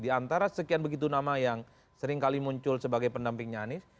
diantara sekian begitu nama yang sering kali muncul sebagai pendampingnya anies